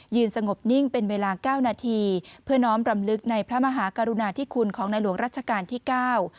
สงบนิ่งเป็นเวลาเก้านาทีเพื่อน้อมรำลึกในพระมหากรุณาธิคุณของในหลวงรัชกาลที่เก้า